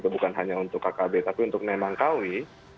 bukan hanya untuk kkb tapi untuk nemangkawi